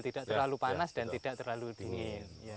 tidak terlalu panas dan tidak terlalu dingin